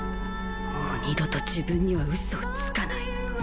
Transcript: もう二度と自分には嘘をつかない。